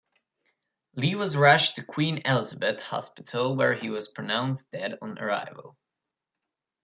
Lee was rushed to Queen Elizabeth Hospital where he was pronounced dead on arrival.